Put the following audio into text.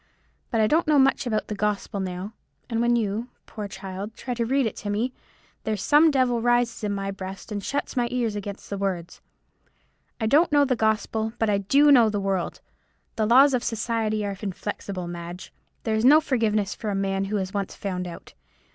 But I don't know much about the gospel now; and when you, poor child, try to read it to me, there's some devil rises in my breast, and shuts my ears against the words. I don't know the gospel, but I do know the world. The laws of society are inflexible, Madge; there is no forgiveness for a man who is once found out.